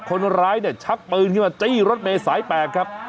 คนร้ายเนี่ยฉักปืนมาจี้รถเบย์สายแปดครับ